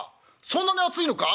そんなに熱いのか？」。